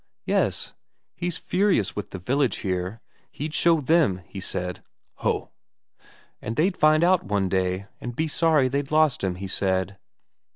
"Yes. He's furious with the village here. He'd show them, he said." "Ho!" "And they'd find out one day, and be sorry they'd lost him, he said."